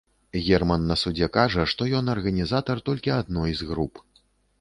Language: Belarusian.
Герман на судзе кажа, што ён арганізатар толькі адной з груп.